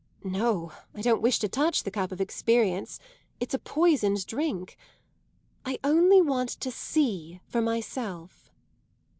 "No, I don't wish to touch the cup of experience. It's a poisoned drink! I only want to see for myself."